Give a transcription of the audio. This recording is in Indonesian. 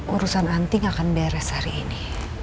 urusan anting akan beres hari ini